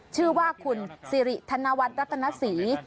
ชื่อว่าคุณสิริธนวัฒน์รัตนศรี